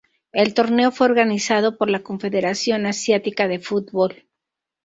El torneo fue organizado por la Confederación Asiática de Fútbol.